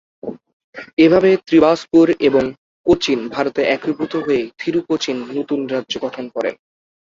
এভাবে ত্রিবাঙ্কুর এবং কোচিন ভারতে একীভূত হয়ে থিরু-কোচি নতুন রাজ্য গঠন করেন।